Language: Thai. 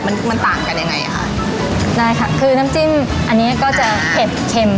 มันมันต่างกันยังไงอ่ะค่ะได้ค่ะคือน้ำจิ้มอันนี้ก็จะเผ็ดเค็ม